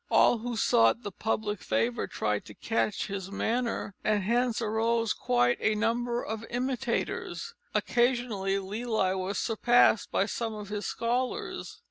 All who sought the public favour tried to catch his manner, and hence arose quite a number of imitators. Occasionally Lely was surpassed by some of his scholars.